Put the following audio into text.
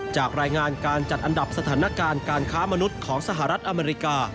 จากรายงานการจัดอันดับสถานการณ์การค้ามนุษย์ของสหรัฐอเมริกา